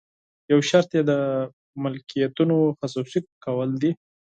یو شرط یې د ملکیتونو خصوصي کول دي.